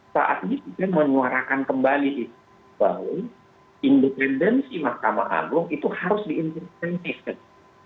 saat ini kita menyuarakan kembali itu bahwa independensi mahkamah agung itu harus diintervensi